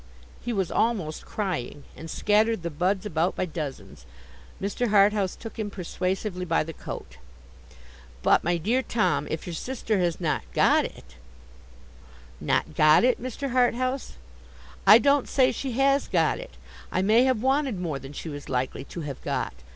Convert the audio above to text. He was almost crying, and scattered the buds about by dozens. Mr. Harthouse took him persuasively by the coat. 'But, my dear Tom, if your sister has not got it—' 'Not got it, Mr. Harthouse? I don't say she has got it. I may have wanted more than she was likely to have got.